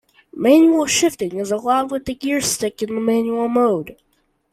Manual shifting is allowed with the gear stick in the manual mode.